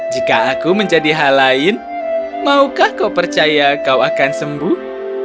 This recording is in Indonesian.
jika aku menjadi hal lain maukah kau percaya kau akan sembuh